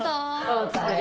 お疲れ。